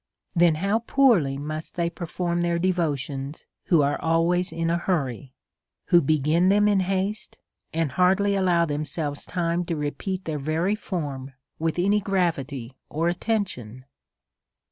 then how poorly must they per form their devotions, who are always in a hurry ; who beg'in them in haste, and hardly allow themselves time to repeat their very form, with any gravity or atten tion